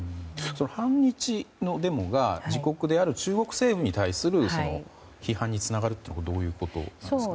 反日もデモが自国である中国政府に対する批判につながるというのはどういうことですか？